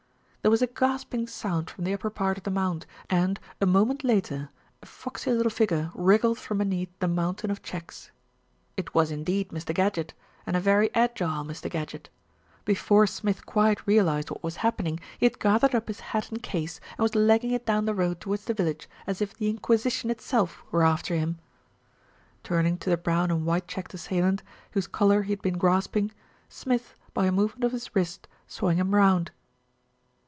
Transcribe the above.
There was a gasping sound from the upper part of the mound and, a moment later, a foxy little figure wriggled from beneath the mountain of checks. It was indeed Mr. Gadgett, and a very agile Mr. Gadgett. Before Smith quite realised what was hap pening, he had gathered up his hat and case, and was legging it down the road towards the village as if the Inquisition itself were after him. Turning to the brown and white checked assailant, whose collar he had been grasping, Smith, by a move ment of his wrist, swung him round.